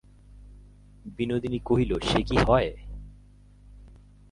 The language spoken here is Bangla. বিনোদিনী কহিল, সে কি হয়।